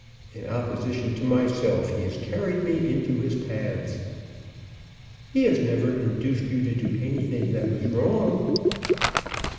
In opposition to myself he has carried me into his paths." "He has never induced you to do anything that was wrong."